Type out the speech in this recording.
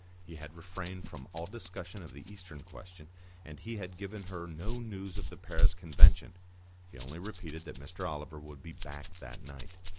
He had refrained from all discussion of the Eastern question, and he had given her no news of the Paris Convention; he only repeated that Mr. Oliver would be back that night.